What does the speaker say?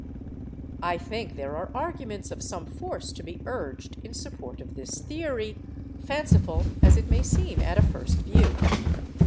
I think there are arguments of some force to be urged in support of this theory, fanciful as it may seem at a first view.